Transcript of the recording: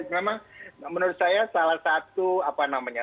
memang menurut saya salah satu apa namanya